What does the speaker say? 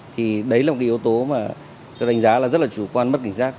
thì đấy là một cái yếu tố mà tôi đánh giá là rất là chủ quan mất cảnh giác